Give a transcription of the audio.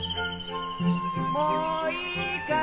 もういいかい？